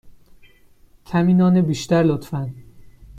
کمی نان بیشتر، لطفا.